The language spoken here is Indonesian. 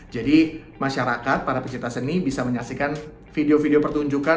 jadi masyarakat para pecinta seni bisa menyaksikan video video pertunjukan